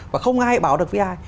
và không ai bảo được với ai